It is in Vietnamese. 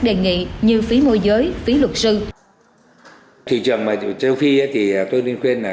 đề nghị như phí môi giới phí luật sư thị trường ở châu phi thì tôi nên khuyên là